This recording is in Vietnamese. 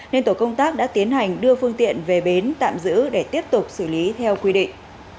nên tổ công tác đã tiến hành đưa phương tiện về bến tạm giữ để tiếp tục xử lý theo quy định